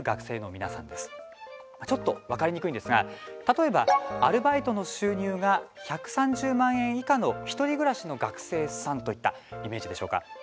ちょっと分かりにくいですが例えば、アルバイトの収入が１３０万円以下の１人暮らしの学生さんといったイメージでしょうか。